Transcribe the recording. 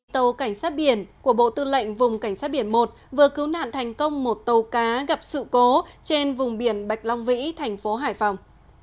tàu cảnh sát biển của bộ tư lệnh vùng cảnh sát biển một vừa cứu nạn thành công một tàu cá gặp sự cố trên vùng biển bạch long vĩ thành phố hải phòng